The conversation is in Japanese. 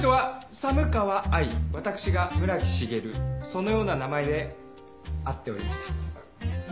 そのような名前で会っておりました。